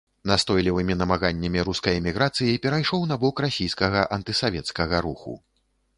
Настойлівымі намаганнямі рускай эміграцыі перайшоў на бок расійскага антысавецкага руху.